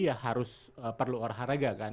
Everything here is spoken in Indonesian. ya harus perlu olahraga kan